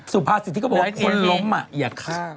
สุภาษิตที่เขาบอกว่าคนล้มอย่าฆ่า